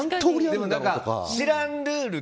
でも知らんルール